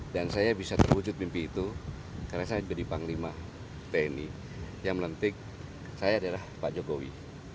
dan saya bisa terwujud mimpi itu karena saya menjadi panglima tni yang menentik saya adalah pak jokowi